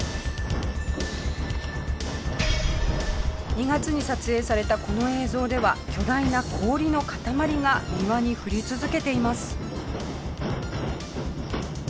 ２月に撮影されたこの映像では巨大な氷の塊が庭に降り続けています。